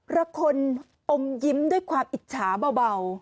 ละคนอมยิ้มด้วยความอิจฉาเบา